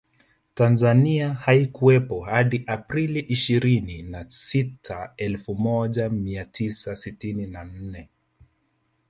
Tanzania haikuwepo hadi Aprili ishirini na sita elfu moja mia tisa sitini na nne